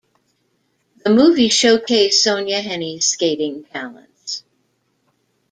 The movie showcased Sonja Henie's skating talents.